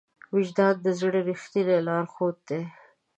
وجدان د زړه ریښتینی لارښود دی.